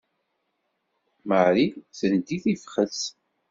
Marie tendi tifxet.